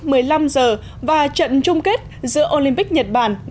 trận đấu tranh đấu tranh khuy trường đồng giữa olympic việt nam và olympic uae